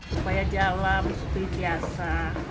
supaya jalan harus berhiasa